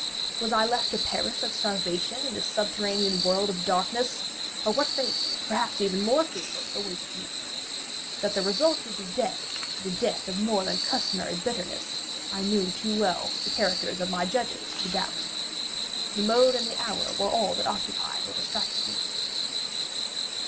Was I left to perish of starvation in this subterranean world of darkness; or what fate, perhaps even more fearful, awaited me? That the result would be death, and a death of more than customary bitterness, I knew too well the character of my judges to doubt. The mode and the hour were all that occupied or distracted me.